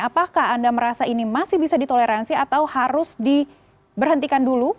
apakah anda merasa ini masih bisa ditoleransi atau harus diberhentikan dulu